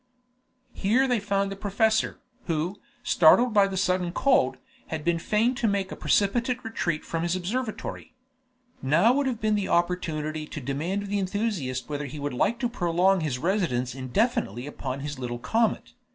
Here they found the professor, who, startled by the sudden cold, had been fain to make a precipitate retreat from his observatory. Now would have been the opportunity to demand of the enthusiast whether he would like to prolong his residence indefinitely upon his little comet.